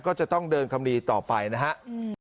ก็จะต้องเดินคดีต่อไปนะครับ